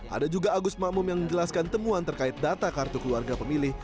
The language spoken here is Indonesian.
ada juga agus makmum yang menjelaskan temuan terkait data kartu keluarga pemilih